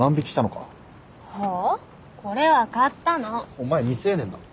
お前未成年だろ？